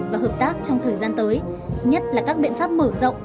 và hợp tác trong thời gian tới nhất là các biện pháp mở rộng